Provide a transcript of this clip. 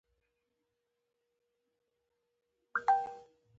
هوښیار انسان پوهېږي چې هر څه زر نه تر لاسه کېږي.